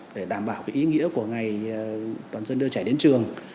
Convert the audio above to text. để đảm bảo ý nghĩa của ngày toàn dân đưa trẻ đến trường